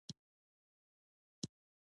ځنګلونه د افغانستان د طبعي سیسټم توازن ساتي.